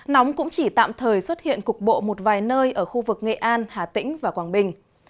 nóng cũng chỉ tạm thời xuất hiện cục bộ một vài nơi ở khu vực nghệ an hà tĩnh và quảng bình